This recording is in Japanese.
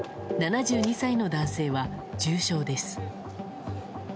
７２歳の男性は重傷です。